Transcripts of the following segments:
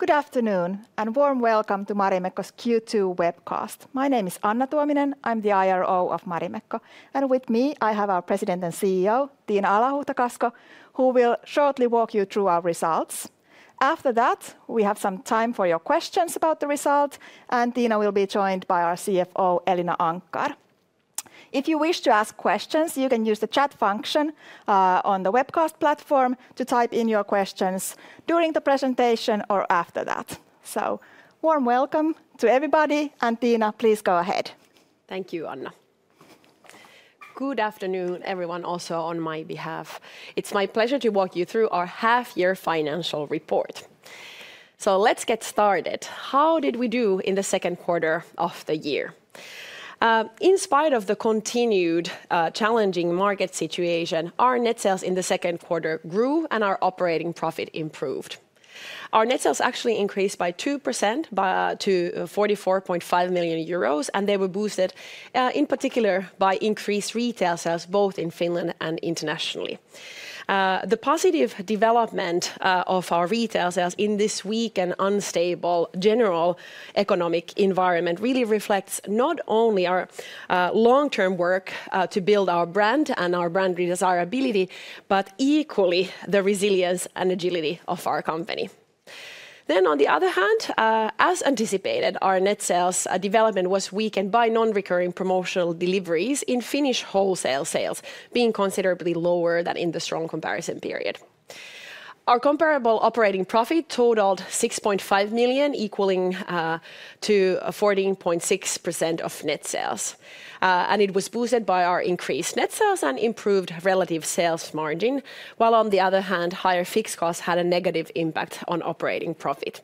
Good afternoon and warm welcome to Marimekko's Q2 Webcast. My name is Anna Tuominen, I'm the IRO of Marimekko, and with me, I have our President and CEO, Tiina Alahuhta-Kasko, who will shortly walk you through our results. After that, we have some time for your questions about the results, and Tiina will be joined by our CFO, Elina Anckar. If you wish to ask questions, you can use the chat function on the webcast platform to type in your questions during the presentation or after that. Warm welcome to everybody, and Tiina, please go ahead. Thank you, Anna. Good afternoon, everyone also on my behalf. It's my pleasure to walk you through our half-year financial report. Let's get started. How did we do in the second quarter of the year? In spite of the continued challenging market situation, our net sales in the second quarter grew and our operating profit improved. Our net sales actually increased by 2% to 44.5 million euros, and they were boosted in particular by increased retail sales, both in Finland and internationally. The positive development of our retail sales in this weak and unstable general economic environment really reflects not only our long-term work to build our brand and our brand desirability, but equally the resilience and agility of our company. On the other hand, as anticipated, our net sales development was weakened by non-recurring promotional deliveries in Finnish wholesale sales, being considerably lower than in the strong comparison period. Our comparable operating profit totaled 6.5 million, equaling 14.6% of net sales, and it was boosted by our increased net sales and improved relative sales margin, while on the other hand, higher fixed costs had a negative impact on operating profit.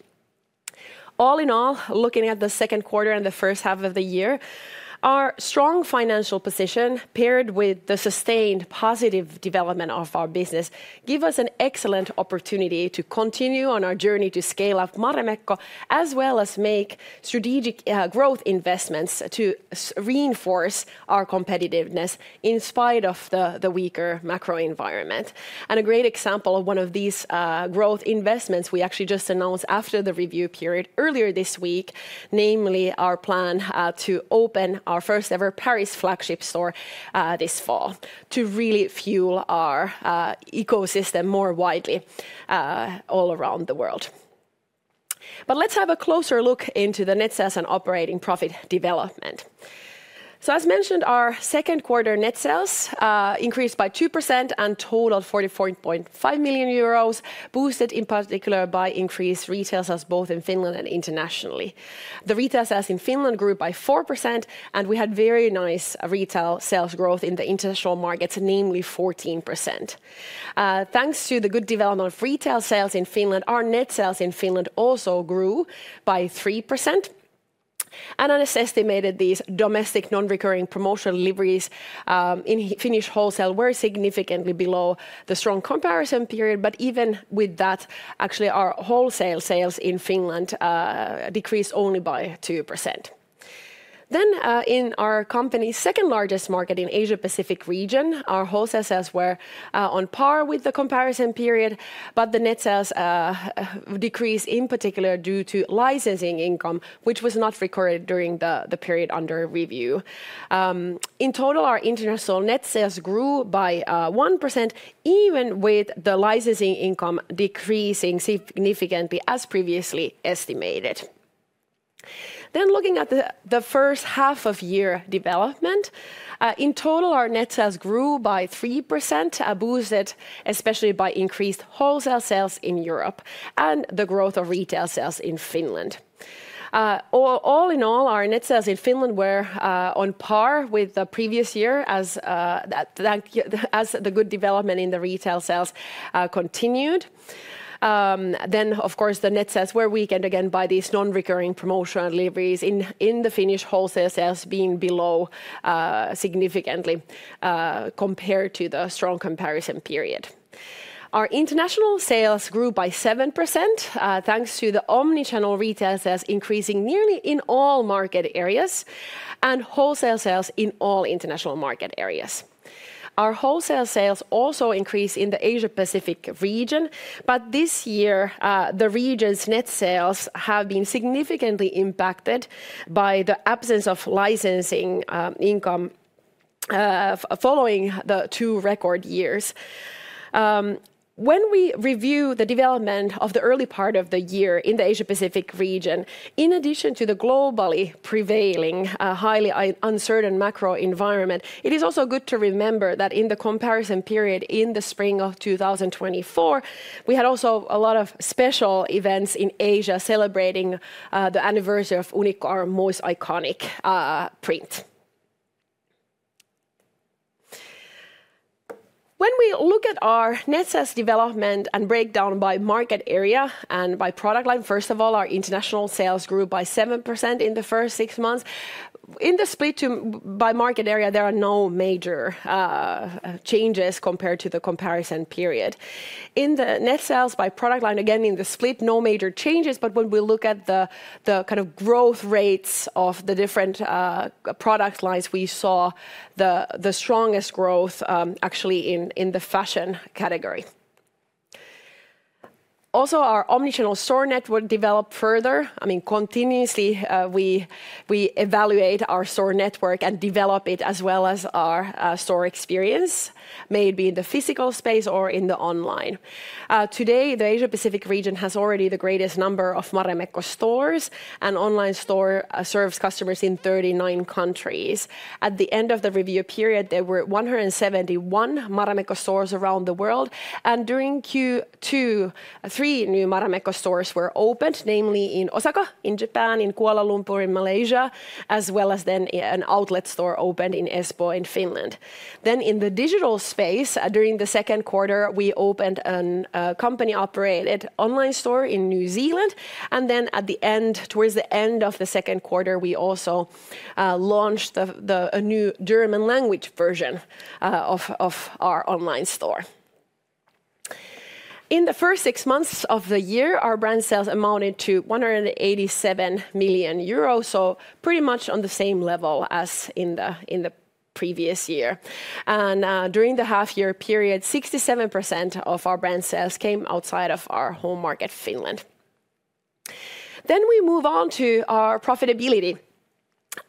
All in all, looking at the second quarter and the first half of the year, our strong financial position paired with the sustained positive development of our business give us an excellent opportunity to continue on our journey to scale up Marimekko, as well as make strategic growth investments to reinforce our competitiveness in spite of the weaker macro environment. A great example of one of these growth investments we actually just announced after the review period earlier this week, namely our plan to open our first-ever Paris flagship store this fall to really fuel our ecosystem more widely all around the world. Let's have a closer look into the net sales and operating profit development. As mentioned, our second quarter net sales increased by 2% and totaled 44.5 million euros, boosted in particular by increased retail sales, both in Finland and internationally. The retail sales in Finland grew by 4%, and we had very nice retail sales growth in the international markets, namely 14%. Thanks to the good development of retail sales in Finland, our net sales in Finland also grew by 3%. As estimated, these domestic non-recurring promotional deliveries in Finnish wholesale were significantly below the strong comparison period, but even with that, actually our wholesale sales in Finland decreased only by 2%. In our company's second largest market in the Asia-Pacific region, our wholesale sales were on par with the comparison period, but the net sales decreased in particular due to licensing income, which was not recorded during the period under review. In total, our international net sales grew by 1%, even with the licensing income decreasing significantly as previously estimated. Looking at the first half of year development, in total, our net sales grew by 3%, boosted especially by increased wholesale sales in Europe and the growth of retail sales in Finland. All in all, our net sales in Finland were on par with the previous year as the good development in the retail sales continued. Of course, the net sales were weakened again by these non-recurring promotional deliveries in the Finnish wholesale sales being below significantly compared to the strong comparison period. Our international sales grew by 7% thanks to the omnichannel retail sales increasing nearly in all market areas and wholesale sales in all international market areas. Our wholesale sales also increased in the Asia-Pacific region, but this year, the region's net sales have been significantly impacted by the absence of licensing income following the two record years. When we review the development of the early part of the year in the Asia-Pacific region, in addition to the globally prevailing highly uncertain macro environment, it is also good to remember that in the comparison period in the spring of 2024, we had also a lot of special events in Asia celebrating the anniversary of Unikko, our most iconic print. When we look at our net sales development and breakdown by market area and by product line, first of all, our international sales grew by 7% in the first six months. In the split by market area, there are no major changes compared to the comparison period. In the net sales by product line, again in the split, no major changes, but when we look at the kind of growth rates of the different product lines, we saw the strongest growth actually in the fashion category. Also, our omnichannel store network developed further. I mean, continuously we evaluate our store network and develop it as well as our store experience, maybe in the physical space or in the online. Today, the Asia-Pacific region has already the greatest number of Marimekko stores, and the online store serves customers in 39 countries. At the end of the review period, there were 171 Marimekko stores around the world, and during Q2, three new Marimekko stores were opened, namely in Osaka, in Japan, in Kuala Lumpur, in Malaysia, as well as an outlet store opened in Espoo in Finland. In the digital space, during the second quarter, we opened a company-operated online store in New Zealand, and towards the end of the second quarter, we also launched a new German-language version of our online store. In the first six months of the year, our brand sales amounted to 187 million euros, pretty much on the same level as in the previous year. During the half-year period, 67% of our brand sales came outside of our home market, Finland. We move on to our profitability.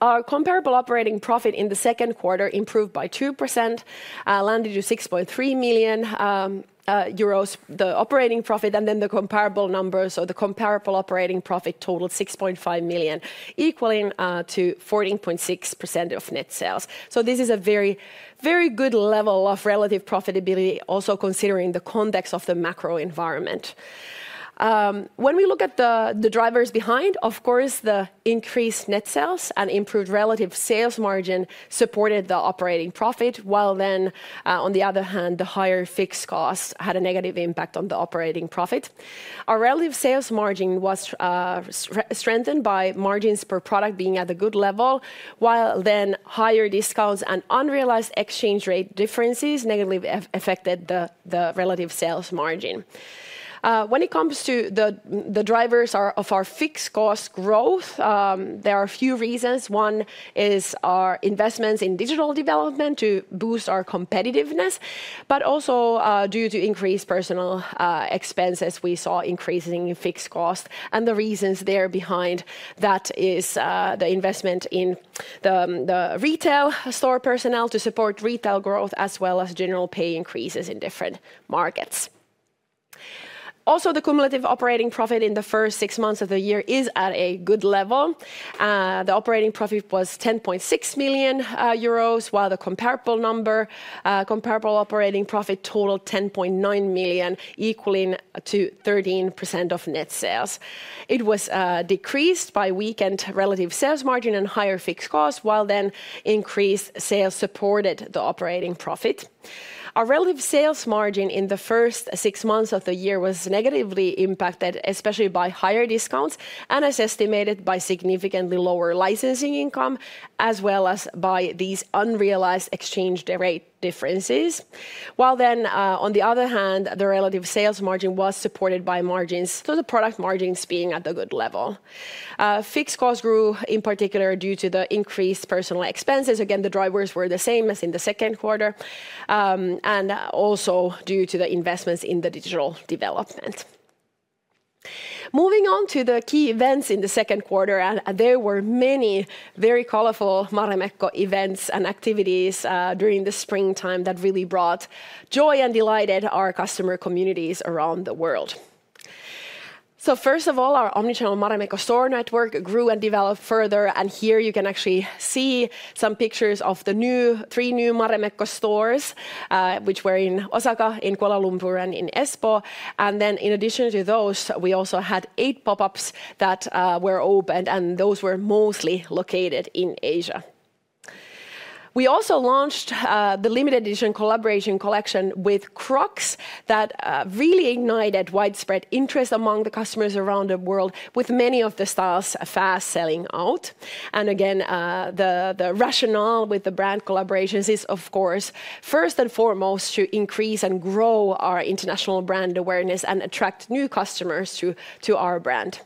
Our comparable operating profit in the second quarter improved by 2%, landed at 6.3 million euros, the operating profit, and the comparable numbers, so the comparable operating profit totaled 6.5 million, equaling 14.6% of net sales. This is a very, very good level of relative profitability, also considering the context of the macro environment. When we look at the drivers behind, of course, the increased net sales and improved relative sales margin supported the operating profit, while, on the other hand, the higher fixed costs had a negative impact on the operating profit. Our relative sales margin was strengthened by margins per product being at a good level, while higher discounts and unrealized exchange rate differences negatively affected the relative sales margin. When it comes to the drivers of our fixed cost growth, there are a few reasons. One is our investments in digital development to boost our competitiveness, but also due to increased personnel expenses, we saw increasing fixed costs, and the reasons behind that are the investment in the retail store personnel to support retail growth, as well as general pay increases in different markets. Also, the cumulative operating profit in the first six months of the year is at a good level. The operating profit was 10.6 million euros, while the comparable number, comparable operating profit, totaled 10.9 million, equaling 13% of net sales. It was decreased by a weakened relative sales margin and higher fixed costs, while increased sales supported the operating profit. Our relative sales margin in the first six months of the year was negatively impacted, especially by higher discounts and, as estimated, by significantly lower licensing income, as well as by these unrealized exchange rate differences. On the other hand, the relative sales margin was supported by margins, the product margins being at a good level. Fixed costs grew in particular due to the increased personnel expenses. The drivers were the same as in the second quarter, and also due to the investments in the digital development. Moving on to the key events in the second quarter, there were many very colorful Marimekko events and activities during the springtime that really brought joy and delighted our customer communities around the world. First of all, our omnichannel Marimekko store network grew and developed further, and here you can actually see some pictures of the three new Marimekko stores, which were in Osaka, in Kuala Lumpur, and in Espoo. In addition to those, we also had eight pop-ups that were opened, and those were mostly located in Asia. We also launched the limited edition collaboration collection with Crocs, that really ignited widespread interest among the customers around the world, with many of the styles fast selling out. The rationale with the brand collaborations is, of course, first and foremost, to increase and grow our international brand awareness and attract new customers to our brand.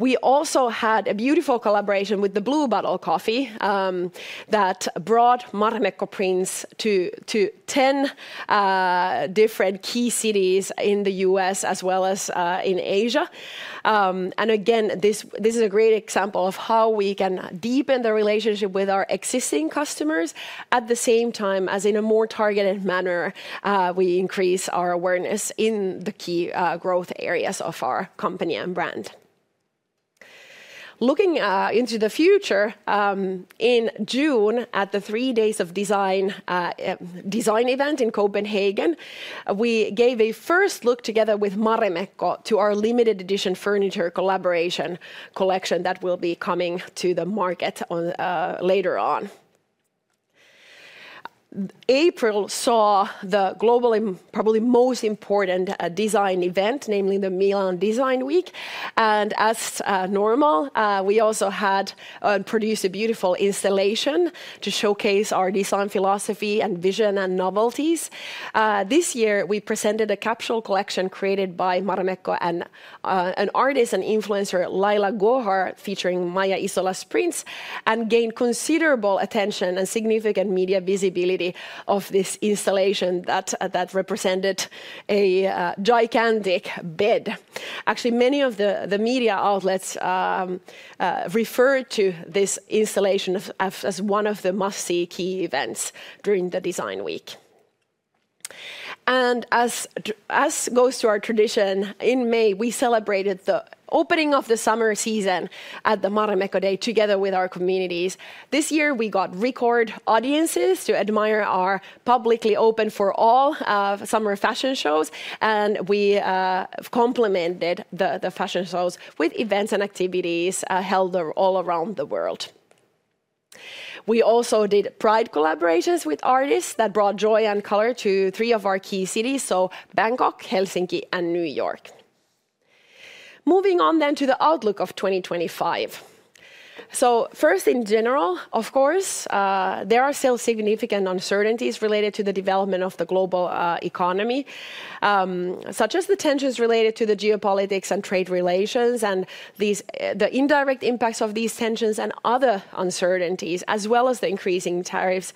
We also had a beautiful collaboration with Blue Bottle Coffee that brought Marimekko prints to 10 different key cities in the U.S., as well as in Asia. This is a great example of how we can deepen the relationship with our existing customers at the same time as, in a more targeted manner, we increase our awareness in the key growth areas of our company and brand. Looking into the future, in June, at the 3 Days of Design event in Copenhagen, we gave a first look together with Marimekko to our limited edition furniture collaboration collection that will be coming to the market later on. April saw the global and probably most important design event, namely the Milan Design Week. As normal, we also produced a beautiful installation to showcase our design philosophy and vision and novelties. This year, we presented a capsule collection created by Marimekko and an artist and influencer, Laila Gohar, featuring Maija Isola's prints, and gained considerable attention and significant media visibility of this installation that represented a gigantic bed. Actually, many of the media outlets referred to this installation as one of the must-see key events during the design week. As goes to our tradition, in May, we celebrated the opening of the summer season at the Marimekko Day, together with our communities. This year, we got record audiences to admire our publicly open for all summer fashion shows, and we complemented the fashion shows with events and activities held all around the world. We also did pride collaborations with artists that brought joy and color to three of our key cities, so Bangkok, Helsinki, and New York. Moving on to the outlook of 2025. First, in general, of course, there are still significant uncertainties related to the development of the global economy, such as the tensions related to the geopolitics and trade relations, and the indirect impacts of these tensions and other uncertainties, as well as the increasing tariffs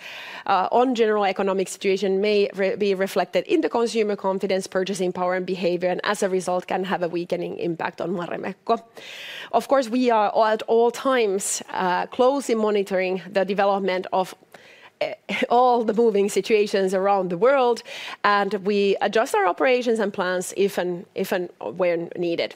on the general economic situation may be reflected in the consumer confidence, purchasing power, and behavior, and as a result, can have a weakening impact on Marimekko. Of course, we are at all times closely monitoring the development of all the moving situations around the world, and we adjust our operations and plans if and when needed.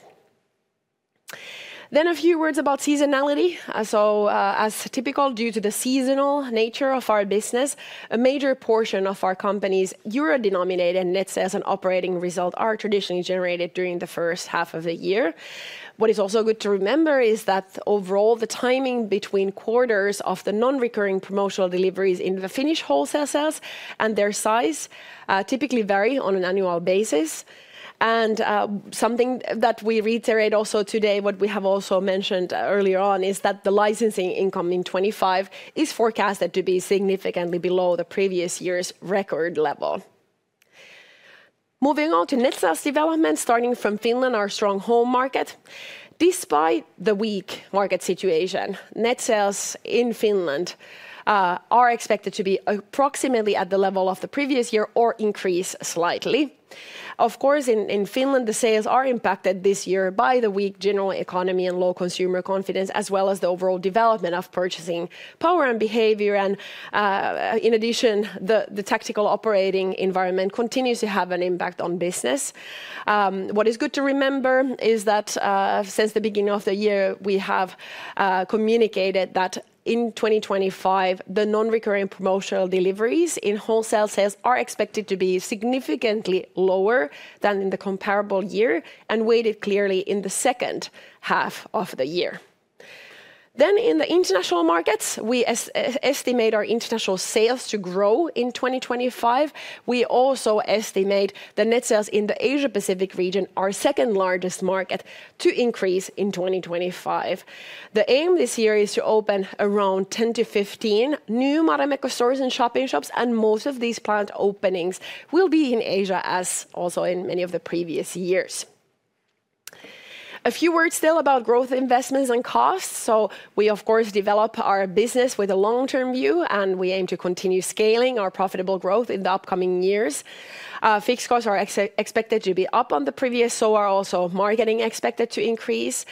A few words about seasonality. As typical due to the seasonal nature of our business, a major portion of our company's euro-denominated net sales and operating result are traditionally generated during the first half of the year. What is also good to remember is that overall, the timing between quarters of the non-recurring promotional deliveries in the Finnish wholesale sales and their size typically vary on an annual basis. Something that we reiterate also today, what we have also mentioned earlier on, is that the licensing income in 2025 is forecasted to be significantly below the previous year's record level. Moving on to net sales development, starting from Finland, our strong home market. Despite the weak market situation, net sales in Finland are expected to be approximately at the level of the previous year or increase slightly. Of course, in Finland, the sales are impacted this year by the weak general economy and low consumer confidence, as well as the overall development of purchasing power and behavior. In addition, the tactical operating environment continues to have an impact on business. What is good to remember is that since the beginning of the year, we have communicated that in 2025, the non-recurring promotional deliveries in wholesale sales are expected to be significantly lower than in the comparable year and weighted clearly in the second half of the year. In the international markets, we estimate our international sales to grow in 2025. We also estimate the net sales in the Asia-Pacific region, our second largest market, to increase in 2025. The aim this year is to open around 10-15 new Marimekko stores and shopping shops, and most of these planned openings will be in Asia, as also in many of the previous years. A few words still about growth investments and costs. We, of course, develop our business with a long-term view, and we aim to continue scaling our profitable growth in the upcoming years. Fixed costs are expected to be up on the previous, so are also marketing expected to increase.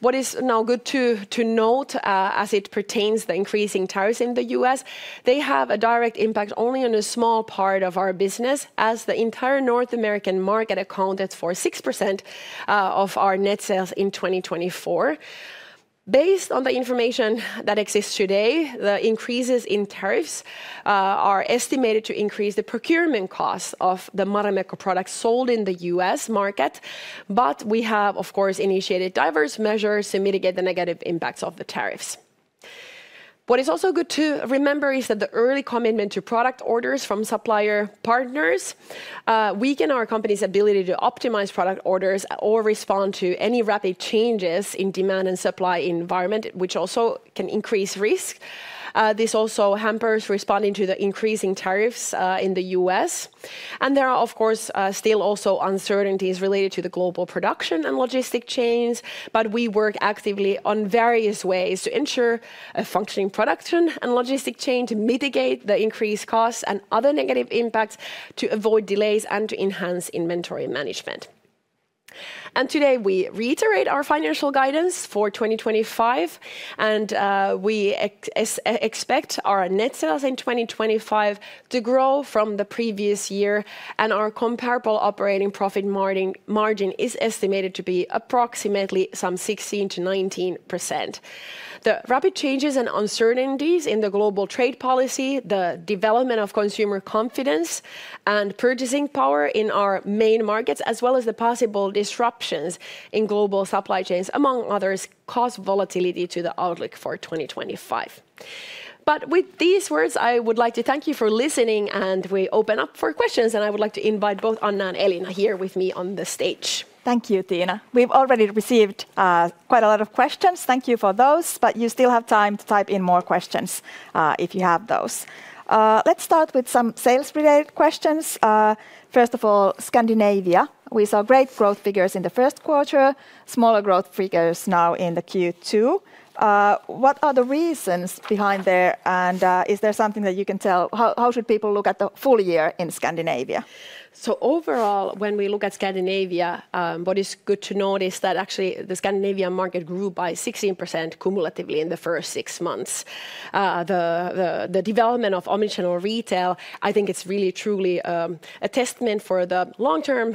What is now good to note, as it pertains to the increasing tariffs in the U.S., they have a direct impact only on a small part of our business, as the entire North American market accounted for 6% of our net sales in 2024. Based on the information that exists today, the increases in tariffs are estimated to increase the procurement costs of the Marimekko products sold in the U.S. market, but we have, of course, initiated diverse measures to mitigate the negative impacts of the tariffs. What is also good to remember is that the early commitment to product orders from supplier partners weakens our company's ability to optimize product orders or respond to any rapid changes in the demand and supply environment, which also can increase risk. This also hampers responding to the increasing tariffs in the U.S. There are, of course, still also uncertainties related to the global production and logistic chains, but we work actively on various ways to ensure a functioning production and logistic chain to mitigate the increased costs and other negative impacts to avoid delays and to enhance inventory management. Today, we reiterate our financial guidance for 2025, and we expect our net sales in 2025 to grow from the previous year, and our comparable operating profit margin is estimated to be approximately 16%-19%. The rapid changes and uncertainties in the global trade policy, the development of consumer confidence and purchasing power in our main markets, as well as the possible disruptions in global supply chains, among others, cause volatility to the outlook for 2025. With these words, I would like to thank you for listening, and we open up for questions, and I would like to invite both Anna and Elina here with me on the stage. Thank you, Tiina. We've already received quite a lot of questions. Thank you for those, but you still have time to type in more questions if you have those. Let's start with some sales-related questions. First of all, Scandinavia. We saw great growth figures in the first quarter, smaller growth figures now in Q2. What are the reasons behind there, and is there something that you can tell? How should people look at the full year in Scandinavia? Overall, when we look at Scandinavia, what is good to note is that actually the Scandinavian market grew by 16% cumulatively in the first six months. The development of omnichannel retail, I think, is really truly a testament for the long-term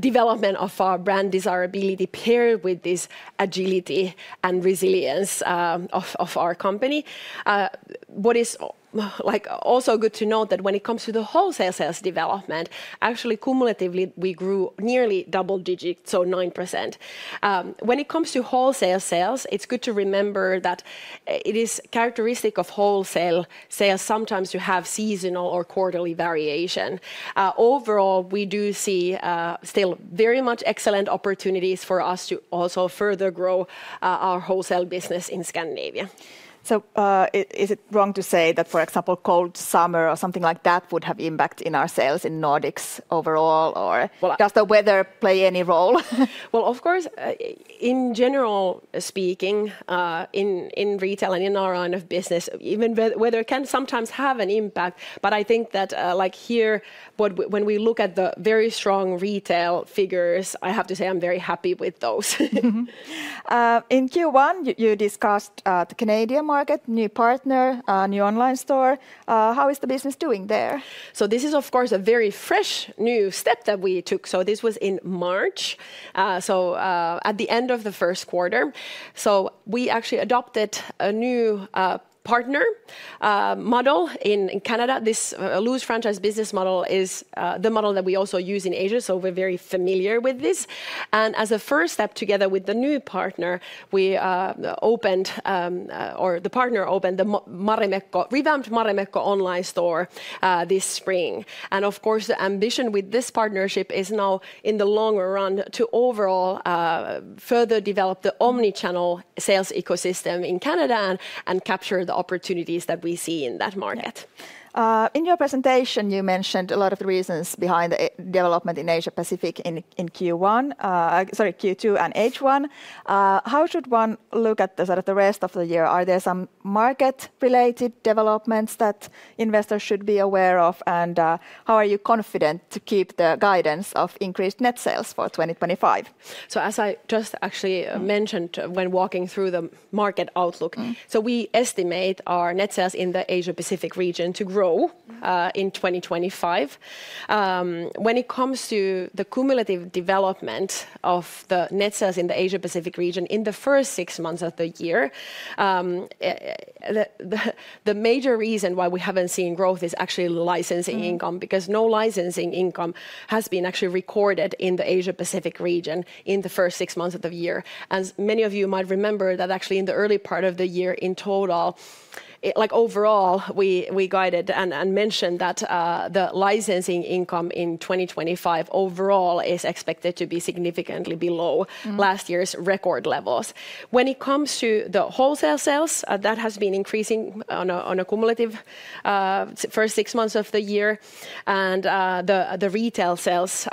development of our brand desirability paired with this agility and resilience of our company. What is also good to note is that when it comes to the wholesale sales development, actually cumulatively, we grew nearly double digits, so 9%. When it comes to wholesale sales, it's good to remember that it is characteristic of wholesale sales sometimes to have seasonal or quarterly variation. Overall, we do see still very much excellent opportunities for us to also further grow our wholesale business in Scandinavia. Is it wrong to say that, for example, cold summer or something like that would have impact in our sales in Nordics overall, or does the weather play any role? Of course, in general speaking, in retail and in our line of business, even weather can sometimes have an impact, but I think that like here, when we look at the very strong retail figures, I have to say I'm very happy with those. In Q1, you discussed the Canadian market, new partner, new online store. How is the business doing there? This is, of course, a very fresh new step that we took. This was in March, at the end of the first quarter. We actually adopted a new partner model in Canada. This loose franchise business model is the model that we also use in Asia, so we're very familiar with this. As a first step, together with the new partner, we opened, or the partner opened, the revamped Marimekko online store this spring. The ambition with this partnership is now, in the longer run, to overall further develop the omnichannel sales ecosystem in Canada and capture the opportunities that we see in that market. In your presentation, you mentioned a lot of reasons behind the development in Asia-Pacific in Q1, Q2, and H1. How should one look at the rest of the year? Are there some market-related developments that investors should be aware of, and how are you confident to keep the guidance of increased net sales for 2025? As I just actually mentioned when walking through the market outlook, we estimate our net sales in the Asia-Pacific region to grow in 2025. When it comes to the cumulative development of the net sales in the Asia-Pacific region in the first six months of the year, the major reason why we haven't seen growth is actually licensing income, because no licensing income has been actually recorded in the Asia-Pacific region in the first six months of the year. Many of you might remember that actually in the early part of the year, in total, overall, we guided and mentioned that the licensing income in 2025 overall is expected to be significantly below last year's record levels. When it comes to the wholesale sales, that has been increasing on a cumulative first six months of the year, and the retail sales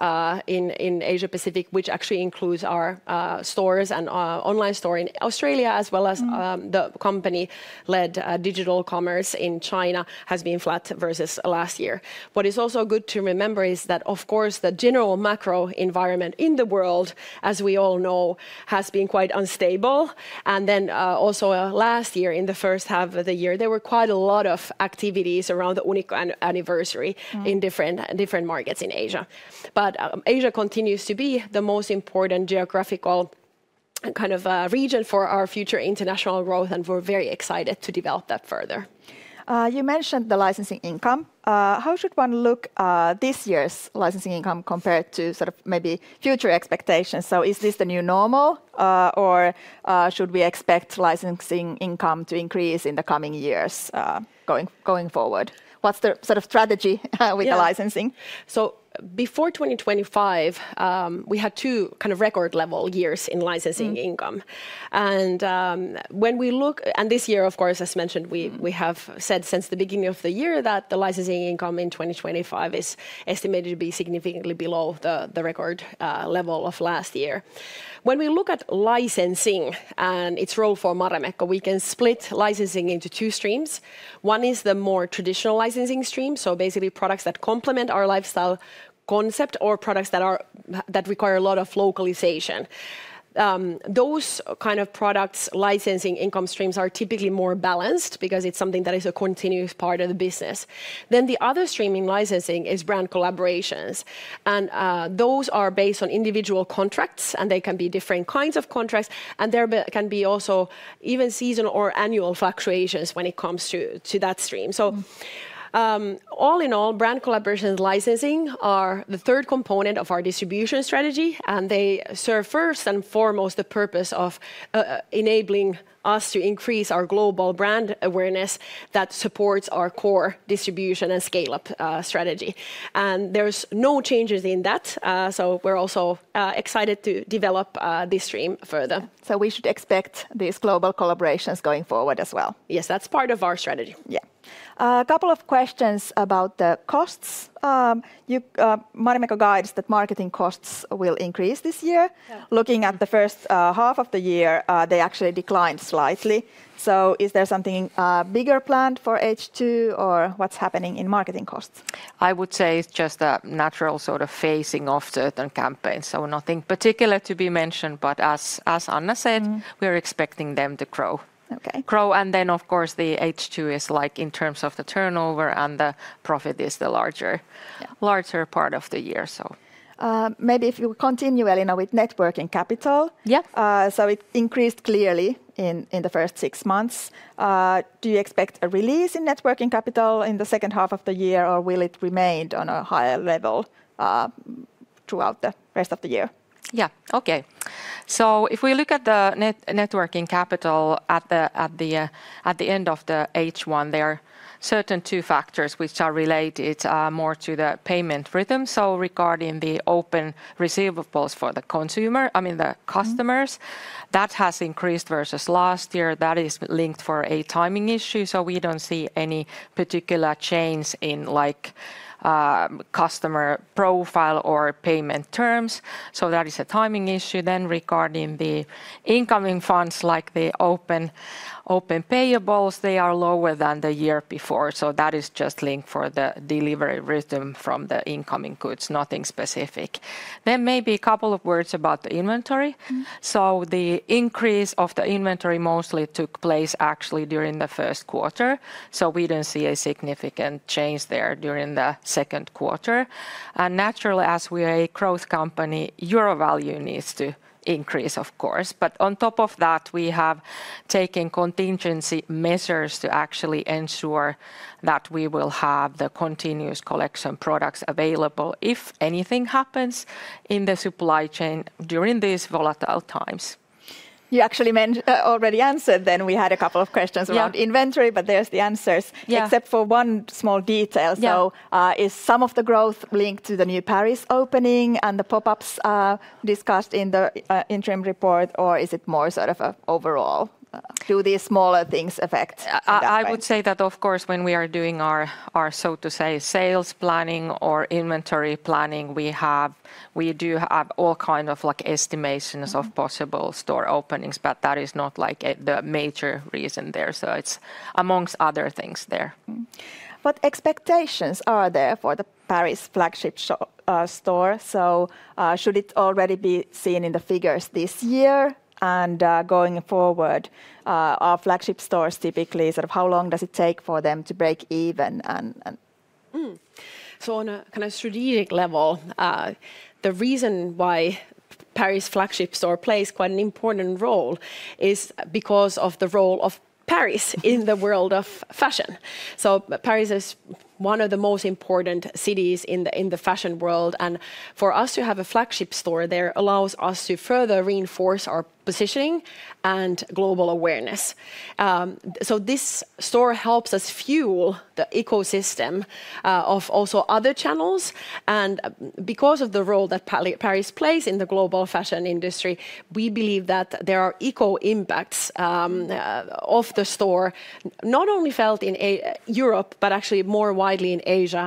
in Asia-Pacific, which actually includes our stores and online store in Australia, as well as the company-led digital commerce in China, has been flat versus last year. What is also good to remember is that, of course, the general macro environment in the world, as we all know, has been quite unstable. Last year, in the first half of the year, there were quite a lot of activities around the Unikko anniversary in different markets in Asia. Asia continues to be the most important geographical kind of region for our future international growth, and we're very excited to develop that further. You mentioned the licensing income. How should one look at this year's licensing income compared to maybe future expectations? Is this the new normal, or should we expect licensing income to increase in the coming years going forward? What's the strategy with the licensing? Before 2025, we had two kind of record-level years in licensing income. When we look, this year, of course, as mentioned, we have said since the beginning of the year that the licensing income in 2025 is estimated to be significantly below the record level of last year. When we look at licensing and its role for Marimekko, we can split licensing into two streams. One is the more traditional licensing stream, basically products that complement our lifestyle concept or products that require a lot of localization. Those kind of products, licensing income streams, are typically more balanced because it's something that is a continuous part of the business. The other stream in licensing is brand collaborations, and those are based on individual contracts. They can be different kinds of contracts, and there can also be even seasonal or annual fluctuations when it comes to that stream. All in all, brand collaborations and licensing are the third component of our distribution strategy, and they serve first and foremost the purpose of enabling us to increase our global brand awareness that supports our core distribution and scale-up strategy. There's no changes in that, so we're also excited to develop this stream further. We should expect these global collaborations going forward as well. Yes, that's part of our strategy. Yeah. A couple of questions about the costs. Marimekko guides that marketing costs will increase this year. Looking at the first half of the year, they actually declined slightly. Is there something bigger planned for H2, or what's happening in marketing costs? I would say it's just a natural sort of phasing off certain campaigns, so nothing particular to be mentioned, but as Anna said, we're expecting them to grow. Okay. Grow, and then, of course, the H2 is, like, in terms of the turnover and the profit, the larger part of the year. Maybe if you continue, Elina, with net working capital. Yeah. It increased clearly in the first six months. Do you expect a release in networking capital in the second half of the year, or will it remain on a higher level throughout the rest of the year? Yeah, okay. If we look at the networking capital at the end of the H1, there are certain two factors which are related more to the payment rhythm. Regarding the open receivables for the consumer, I mean the customers, that has increased versus last year. That is linked to a timing issue, so we don't see any particular change in customer profile or payment terms. That is a timing issue. Regarding the incoming funds, like the open payables, they are lower than the year before. That is just linked to the delivery rhythm from the incoming goods, nothing specific. Maybe a couple of words about the inventory. The increase of the inventory mostly took place actually during the first quarter, so we didn't see a significant change there during the second quarter. Naturally, as we are a growth company, euro value needs to increase, of course. On top of that, we have taken contingency measures to actually ensure that we will have the continuous collection products available if anything happens in the supply chain during these volatile times. You actually already answered then. We had a couple of questions about inventory, but there's the answers, except for one small detail. Is some of the growth linked to the new Paris opening and the pop-ups discussed in the interim report, or is it more sort of overall? Do these smaller things affect? I would say that, of course, when we are doing our, so to say, sales planning or inventory planning, we do have all kinds of estimations of possible store openings, but that is not the major reason there. It's amongst other things there. What expectations are there for the Paris flagship store? Should it already be seen in the figures this year? Going forward, are flagship stores typically, sort of how long does it take for them to break even? On a kind of strategic level, the reason why the Paris flagship store plays quite an important role is because of the role of Paris in the world of fashion. Paris is one of the most important cities in the fashion world, and for us to have a flagship store there allows us to further reinforce our positioning and global awareness. This store helps us fuel the ecosystem of also other channels. Because of the role that Paris plays in the global fashion industry, we believe that there are eco impacts of the store not only felt in Europe, but actually more widely in Asia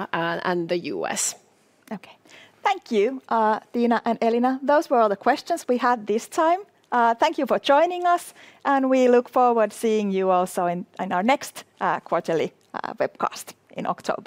and the U.S. Okay. Thank you, Tiina and Elina. Those were all the questions we had this time. Thank you for joining us, and we look forward to seeing you also in our next quarterly webcast in October.